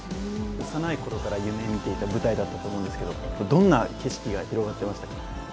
幼いころから夢みていた舞台だと思いますけれども、どんな景色が広がっていましたか？